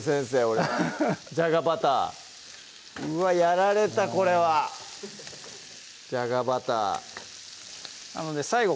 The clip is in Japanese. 俺じゃがバターうわっやられたこれはじゃがバター最後